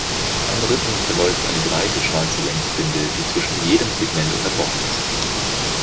Am Rücken verläuft eine breite schwarze Längsbinde, die zwischen jedem Segment unterbrochen ist.